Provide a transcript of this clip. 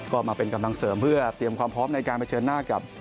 ก็มาเป็นกำลังเสริมเพื่อเตรียมความพร้อมในการเผชิญหน้ากับ